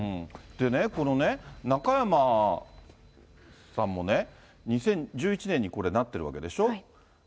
でね、このね、中山さんもね、２０１１年にこれ、なっているわけでしょう。